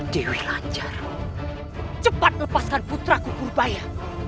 dewi lanjar cepat lepaskan putraku purbaya